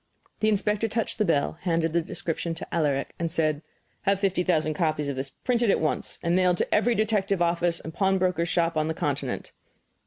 The inspector touched the bell, handed the description to Alaric, and said: "Have fifty thousand copies of this printed at once and mailed to every detective office and pawnbroker's shop on the continent."